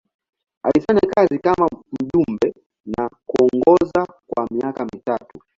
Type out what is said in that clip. Alifanya kazi kama mjumbe na kuongoza kwa miaka mitatu.